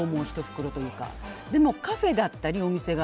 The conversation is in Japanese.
でもカフェだったり、お店が。